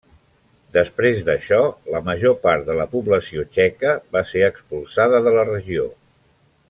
Després d'això, la major part de la població txeca va ser expulsada de la regió.